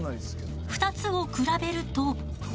２つを比べると。